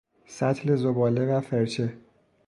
سطل زباله و فرچه